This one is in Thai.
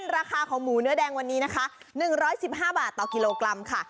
ราคาของหมูเนื้อแดงวันนี้นะคะ๑๑๕บาทต่อกิโลกรัมค่ะ